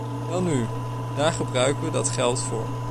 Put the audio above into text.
Welnu, daar gebruiken we dat geld voor.